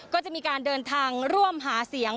ก็จะมีการเดินทางร่วมหาเสียง